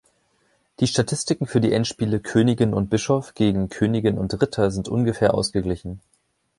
Die Statistiken für die Endspiele Königin und Bischof gegen Königin und Ritter sind ungefähr ausgeglichen.